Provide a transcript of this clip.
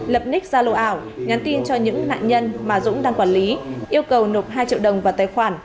lập nick ra lô ảo nhắn tin cho những nạn nhân mà dũng đang quản lý yêu cầu nộp hai triệu đồng vào tài khoản